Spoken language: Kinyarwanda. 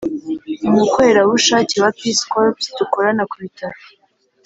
umukorerabushake wa peace corps, dukorana ku bitaro